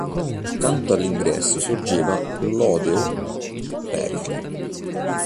Accanto all'ingresso sorgeva l'Odeo di Pericle.